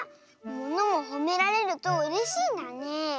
ものもほめられるとうれしいんだね。